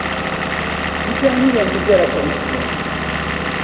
Bibɛhi mi yɛn ti bela buɣum puuni.